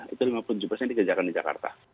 itu lima puluh tujuh persen dikerjakan di jakarta